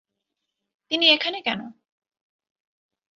তিনি এখানে কেন?